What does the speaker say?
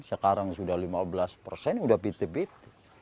sekarang sudah lima belas persen sudah piti piti